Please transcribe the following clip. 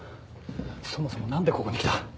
そもそも何でここに来た？